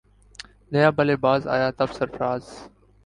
نیا بلے باز آیا تب سرفراز